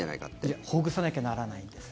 いやほぐさなきゃならないんです。